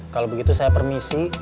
kalau begitu saya permisi